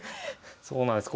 そうなんです。